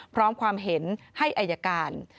พร้อมความเห็นให้อายการ